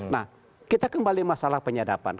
nah kita kembali masalah penyadapan